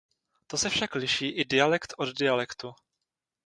To se však liší i dialekt od dialektu.